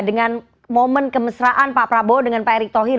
dengan momen kemesraan pak prabowo dengan pak erick thohir